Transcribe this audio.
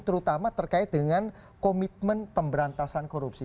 terutama terkait dengan komitmen pemberantasan korupsi